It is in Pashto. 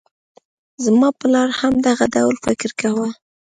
زما پلار هم دغه ډول فکر کاوه.